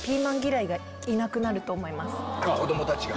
子供たちが。